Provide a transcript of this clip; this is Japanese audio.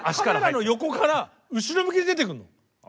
カメラの横から後ろ向きで出てくるの。